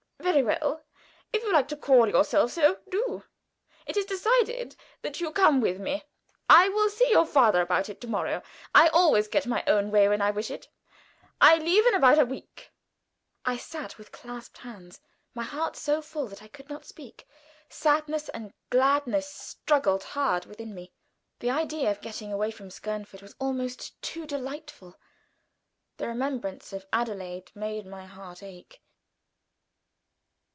"Very well, if you like to call yourself so, do. It is decided that you come with me. I will see your father about it to morrow. I always get my own way when I wish it. I leave in about a week." I sat with clasped hands, my heart so full that I could not speak. Sadness and gladness struggled hard within me. The idea of getting away from Skernford was almost too delightful; the remembrance of Adelaide made my heart ache.